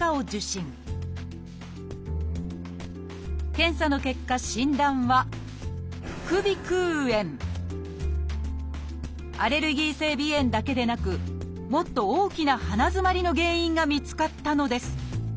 検査の結果診断はアレルギー性鼻炎だけでなくもっと大きな鼻づまりの原因が見つかったのです。